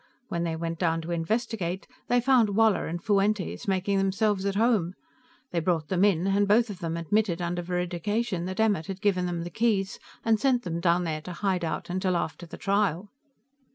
When they went down to investigate, they found Woller and Fuentes making themselves at home. They brought them in, and both of them admitted under veridication that Emmert had given them the keys and sent them down there to hide out till after the trial.